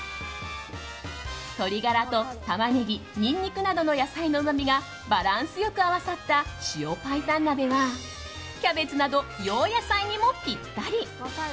鶏ガラとタマネギニンニクなどの野菜のうまみがバランスよく合わさった塩白湯鍋はキャベツなど洋野菜にもぴったり。